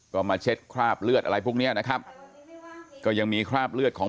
ก็มาเช็ดคราบเลือดอะไรพวกเนี้ยนะครับก็ยังมีคราบเลือดของ